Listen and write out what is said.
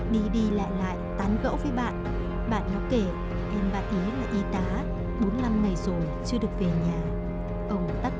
đi đi lại lại tán gẫu với bạn bạn nó kể em bác ý là y tá bốn mươi năm ngày rồi chưa được về nhà ông tắt